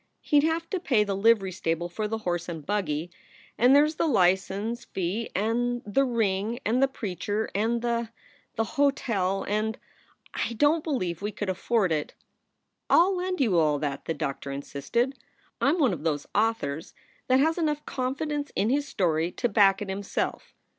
He d have to pay the livery stable for the horse and buggy, and there s the license fee, and the ring, and the preacher, and the the hotel, and Oh, I don t believe we could afford it." "I ll lend you all that," the doctor insisted. "I m one of those authors that has enough confidence in his story to back it himself.